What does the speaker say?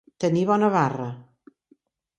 Tenir bona barra.